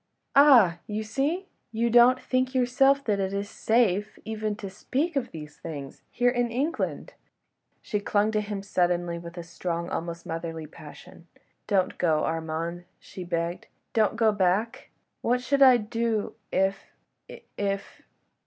"Ah! you see: you don't think yourself that it is safe even to speak of these things—here in England!" She clung to him suddenly with strong, almost motherly, passion: "Don't go, Armand!" she begged; "don't go back! What should I do if ... if ... if